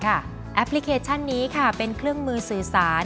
แอปพลิเคชันนี้เป็นเครื่องมือสื่อสาร